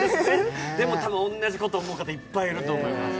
でもたぶん、同じことを思う方、いっぱいいると思います。